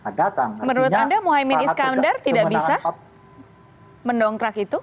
menurut anda mohaimin iskandar tidak bisa mendongkrak itu